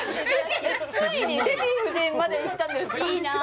ついにデヴィ夫人までいったんですか？